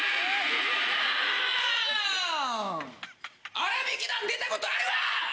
『あらびき団』出たことあるわ！